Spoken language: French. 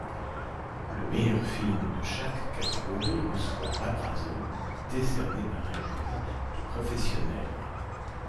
Le meilleur film de chaque catégorie reçoit l'Abrazo, décerné par un jury de professionnels.